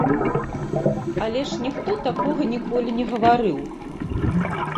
Але ж ніхто такога ніколі не гаварыў!